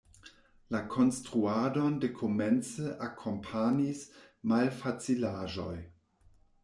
La konstruadon de komence akompanis malfacilaĵoj.